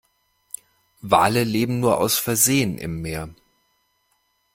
Wale leben nur aus Versehen im Meer.